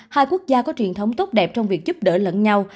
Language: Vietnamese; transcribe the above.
hai quốc gia có truyền thống tốt đẹp trong việc giúp đỡ lẫn nhau